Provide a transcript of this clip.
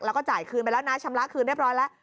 แล้วก็จ่ายคืนไปแล้วนะชำระคืนเรียบร้อยแล้ว